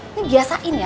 ini biasain ya